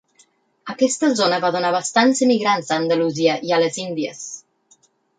Aquesta zona va donar bastants emigrants a Andalusia i a les Índies.